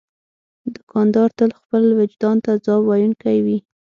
دوکاندار تل خپل وجدان ته ځواب ویونکی وي.